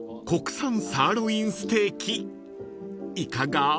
国産サーロインステーキいかが？］